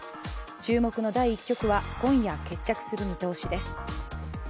注目の第１局は今夜、決着する見通しです。